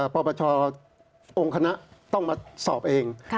ปปชองค์คณะต้องมาสอบเอง